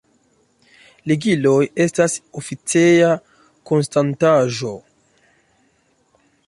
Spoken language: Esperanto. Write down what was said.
Ligiloj estas oficeja konstantaĵo.